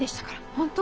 本当？